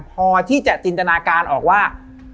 พอที่จะจินตนาการออกว่า